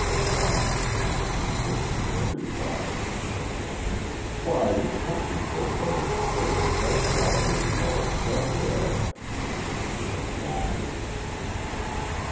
What! not drink this fairy water? "Why, you country folk are as afraid of fresh water as you are of fresh air," I answered, laughing.